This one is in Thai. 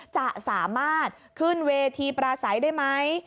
จะสามารถขึ้นเวทีปราศัยได้ไหม